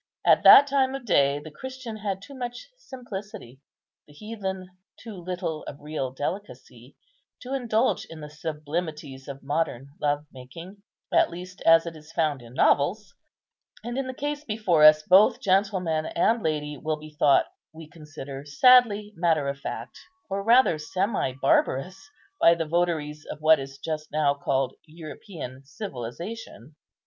At that time of day the Christian had too much simplicity, the heathen too little of real delicacy, to indulge in the sublimities of modern love making, at least as it is found in novels; and in the case before us both gentleman and lady will be thought, we consider, sadly matter of fact, or rather semi barbarous, by the votaries of what is just now called European civilization.